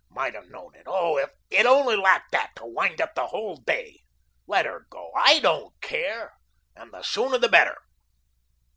Might have known it. Oh, it only lacked that to wind up the whole day. Let her go, I don't care, and the sooner the better."